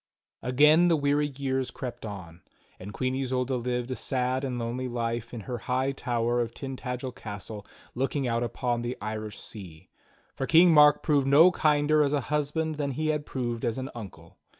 Again the weary years crept on, and Queen Isolda lived a sad and lonely life in her high tower of Tintagel castle looking out upon the Irish Sea; for King Mark proved no kinder as a husband than he had proved as an uncle.